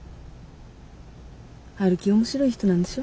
陽樹面白い人なんでしょ？